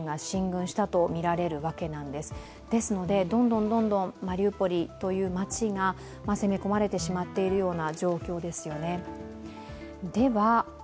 どんどんマリウポリという街が攻め込まれてしまっている状況ですよね。